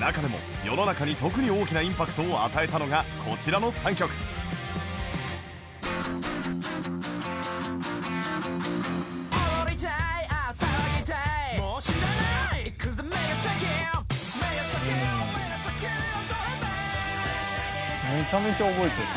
中でも世の中に特に大きなインパクトを与えたのがこちらの３曲「めちゃめちゃ覚えてる」